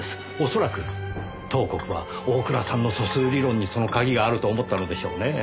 恐らく東国は大倉さんの素数理論にその鍵があると思ったのでしょうねぇ。